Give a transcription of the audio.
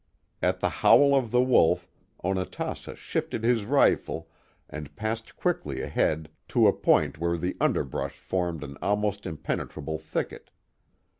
At the howl of the wolf Onatassa shifted his rifle and passed quickly ahead to a point where the underbrush formed an almost impenetrable thicket.